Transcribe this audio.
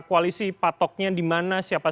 koalisi patoknya dimana siapa